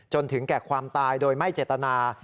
จนถึงแก่ความตายโดยไม่เจตนา